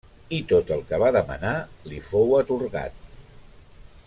I tot el que va demanar li fou atorgat.